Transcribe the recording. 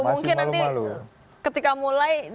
mungkin nanti ketika mulai dia mau